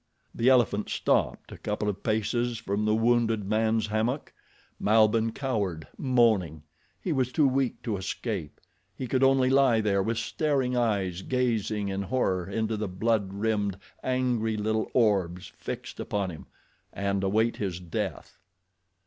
The elephant stopped a couple of paces from the wounded man's hammock. Malbihn cowered, moaning. He was too weak to escape. He could only lie there with staring eyes gazing in horror into the blood rimmed, angry little orbs fixed upon him, and await his death.